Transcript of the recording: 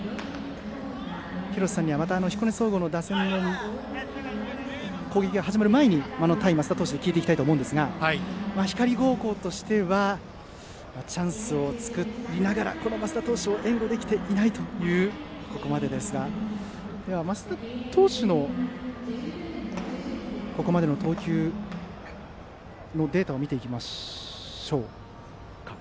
廣瀬さんには彦根総合の打線の攻撃が始まる前に対升田投手について聞いていこうと思いますが光高校としてはチャンスを作りながら升田投手を援護できていないというここまでですが升田投手のここまでの投球データです。